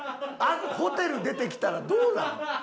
ホテル出てきたらどうなん？